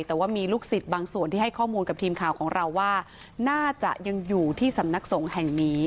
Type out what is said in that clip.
แต่ว่ามีลูกศิษย์บางส่วนที่ให้ข้อมูลกับทีมข่าวของเราว่าน่าจะยังอยู่ที่สำนักสงฆ์แห่งนี้